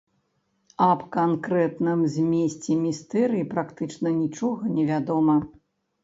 Аб канкрэтным змесце містэрый практычна нічога не вядома.